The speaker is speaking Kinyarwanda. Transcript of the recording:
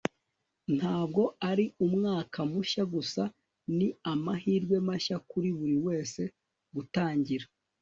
ntabwo ari umwaka mushya gusa; ni amahirwe mashya kuri buri wese gutangira